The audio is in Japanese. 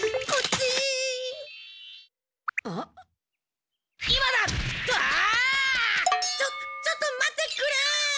ちょちょっと待ってくれ！